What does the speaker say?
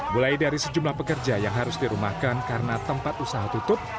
mulai dari sejumlah pekerja yang harus dirumahkan karena tempat usaha tutup